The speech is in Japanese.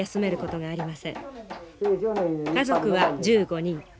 家族は１５人。